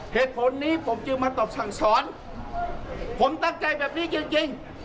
เหตุผลนี้ผมจึงมาตอบสั่งสอนผมตั้งใจแบบนี้จริง